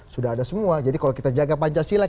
sudah ada semua jadi kalau kita jaga pancasila